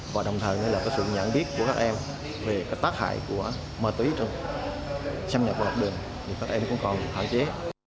và đồng thời có sự nhận biết của các em về tác hại của ma túy trong xâm nhập vào học đường thì các em cũng còn hạ chế